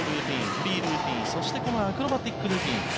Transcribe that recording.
フリールーティン、そしてアクロバティックルーティン。